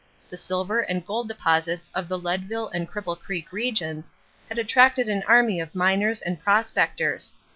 The silver and gold deposits of the Leadville and Cripple Creek regions had attracted an army of miners and prospectors.